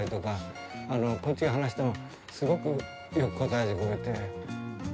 こっちが話してもすごくよく応えてくれて。